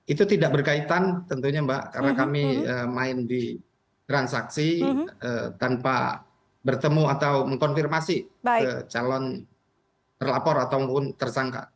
itu tidak berkaitan tentunya mbak karena kami main di transaksi tanpa bertemu atau mengkonfirmasi ke calon terlapor ataupun tersangka